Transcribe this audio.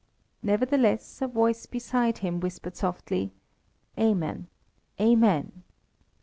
Nevertheless, a voice beside him whispered softly: "Amen! Amen!"